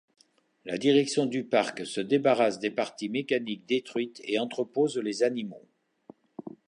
La direction du parc se débarrasse des parties mécaniques détruites et entrepose les animaux.